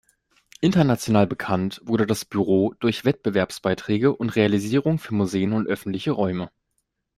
International bekannt wurde das Büro durch Wettbewerbsbeiträge und Realisierungen für Museen und öffentliche Räume.